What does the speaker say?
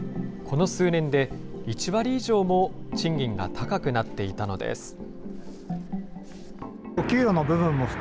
この数年で、１割以上も賃金が高くなっていたのです。